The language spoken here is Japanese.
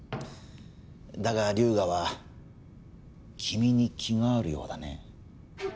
だが龍河は君に気があるようだね。